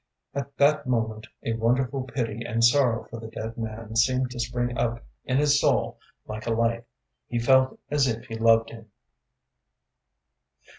At that moment a wonderful pity and sorrow for the dead man seemed to spring up in his soul like a light. He felt as if he loved him.